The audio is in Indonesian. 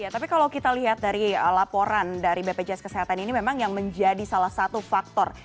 tapi kalau kita lihat dari laporan dari bpjs kesehatan ini memang yang menjadi salah satu faktor